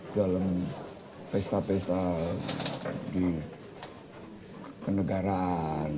dalam pesta pesta di kenegaraan